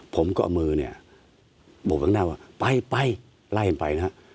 ผมก็เอามือเนี่ยบอกแหลงหน้าว่าไปไล่มันไปนะครับ